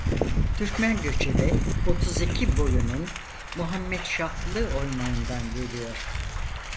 Türkmen göçebe Otuziki boyunun Muhammedşahlı oymağından geliyor.